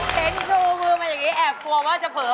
เท้นที่ดูมือมาอย่างนี้แอบครัวว่าจะเผลอ